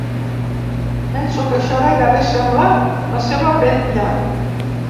Penso que això gairebé sembla la seva vetlla.